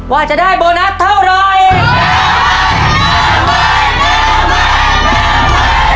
ว่าจะได้โบนัสเท่าไร